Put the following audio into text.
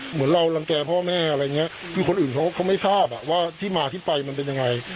เหมือนเรารังแก่พ่อแม่อะไรอย่างเงี้ยคือคนอื่นเขาก็ไม่ทราบอ่ะว่าที่มาที่ไปมันเป็นยังไง